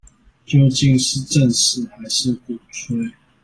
究竟是正視還是鼓吹